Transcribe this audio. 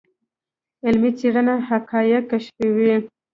علمي څېړنه حقایق کشفوي.